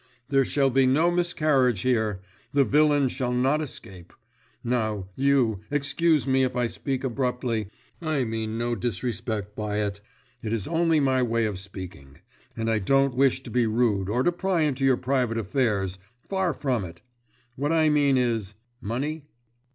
There shall be no miscarriage here; the villain shall not escape. Now, you excuse me if I speak abruptly, I mean no disrespect by it; it is only my way of speaking; and I don't wish to be rude or to pry into your private affairs, far from it. What I mean is, money?"